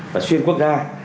và xuyên quốc gia